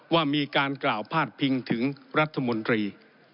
ว่ามีการกล่าวพาดพิงถึงรัฐมนตรี